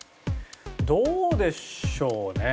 どうでしょうね？